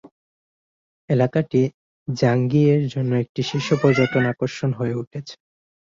এলাকাটি ঝাংগিয়ে-এর জন্য একটি শীর্ষ পর্যটন আকর্ষণ হয়ে উঠেছে।